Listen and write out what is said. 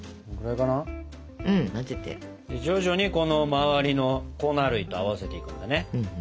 徐々にこの周りの粉類と合わせていくんだね。